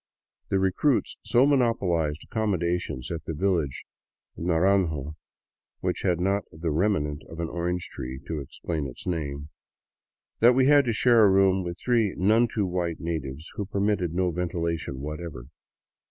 The recruits so monopolized accommodations at the village of Naranjo — which had not the remnant of an orange tree to explain its name — that we had to share a room with three none too white natives who permitted no ventilation whatever.